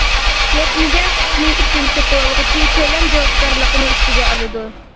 يەتمىگەن قىسمى ئۈچۈن سېتىۋالغۇچى تۆلەم جاۋابكارلىقىنى ئۈستىگە ئالىدۇ.